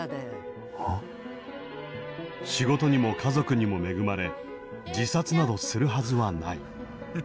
仕事にも家族にも恵まれ自殺などするはずはない。